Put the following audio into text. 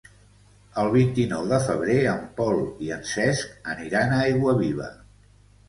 El vint-i-nou de febrer en Pol i en Cesc aniran a Aiguaviva.